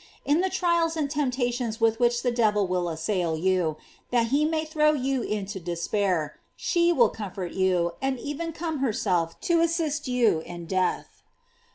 In the trials and temptations with which the devil will assail you, that he may throw you into despair, she will comfort you, and even come herself to assist you in death.